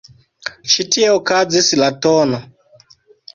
Ĉi tie okazis la tn.